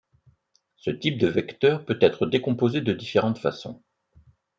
Ce type de vecteur peut être décomposé de différentes façons.